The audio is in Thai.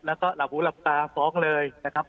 แล้วก็หลับหูหลับตาฟ้องเลยนะครับ